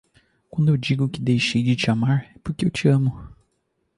Quando eu digo que deixei de te amar é porque eu te amo